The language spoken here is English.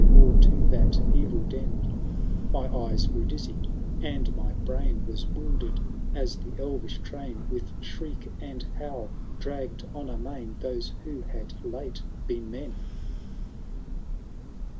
Bore to that evil den I My eyes grew dizzy, and my brain Was wilderM as the elvish train. With shriek and howl, dragged on amain Those who had late been men.